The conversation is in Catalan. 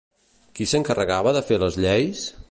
Qui s'encarregava de fer les lleis?